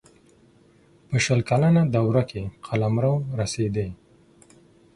په شل کلنه دوره کې قلمرو رسېدی.